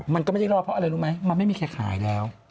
มันก็ไม่ได้รอดเพราะอะไรรู้ไหมมันไม่มีใครขายแล้ว